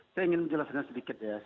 saya ingin menjelaskan sedikit ya